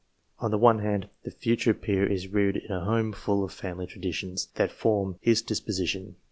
On the one hand, the future peer is reared in a home full of family traditions, that form his disposition.